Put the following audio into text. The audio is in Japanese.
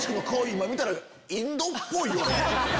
今見たらインドっぽいよね。